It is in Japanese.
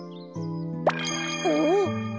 おっ！